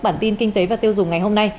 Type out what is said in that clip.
bản tin kinh tế và tiêu dùng ngày hôm nay